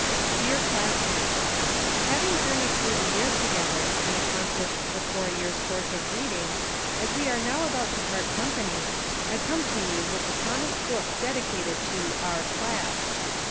Dear Classmates: Having journeyed through the years together, and accomplished the four years' course of reading, as we are now about to part company, I come to you with the promised book dedicated to " Our. Class."